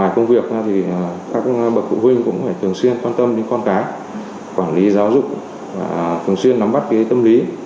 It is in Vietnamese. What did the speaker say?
các bậc cụ huynh cũng phải thường xuyên quan tâm đến con cái quản lý giáo dục thường xuyên nắm bắt cái tâm lý